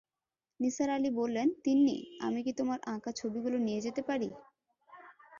নিসার আলি বললেন, তিন্নি, আমি কি তোমার আঁকা ছবিগুলি নিয়ে যেতে পারি?